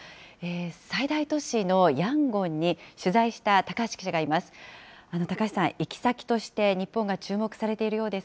最大都市のヤンゴンに、取材した高橋記者がいます。